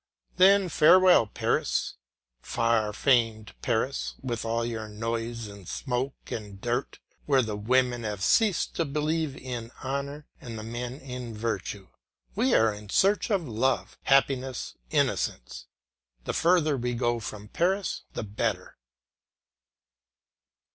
Then farewell Paris, far famed Paris, with all your noise and smoke and dirt, where the women have ceased to believe in honour and the men in virtue. We are in search of love, happiness, innocence; the further we go from Paris the better.